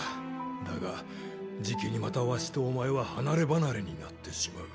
だがじきにまたわしとお前は離れ離れになってしまう。